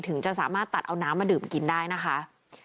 ถึงจะสามารถตัดเอาน้ำมาดื่มกินได้นะคะ